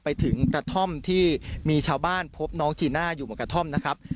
ไปถึงกระท่อมที่มีชาวบ้านพบน้องจีน่าอยู่บนกระท่อมนะครับ